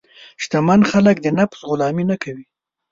شتمن خلک د نفس غلامي نه کوي.